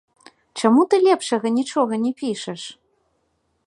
Чаму ты лепшага нічога не пішаш?